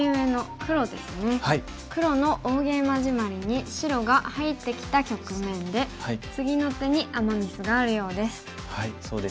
黒の大ゲイマジマリに白が入ってきた局面で次の手にアマ・ミスがあるようです。